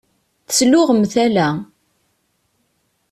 Tesluɣem tala.